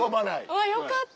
よかった。